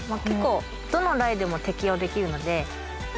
結構どのライでも適用できるので。